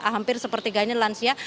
hampir sepertiganya lansia